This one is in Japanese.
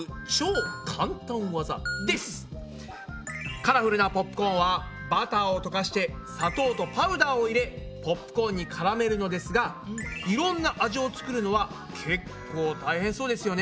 カラフルなポップコーンはバターをとかして砂糖とパウダーを入れポップコーンにからめるのですがいろんな味を作るのはけっこう大変そうですよね。